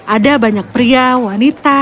ada banyak pria wanita